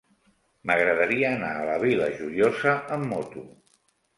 M'agradaria anar a la Vila Joiosa amb moto.